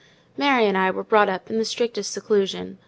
Mary and I were brought up in the strictest seclusion.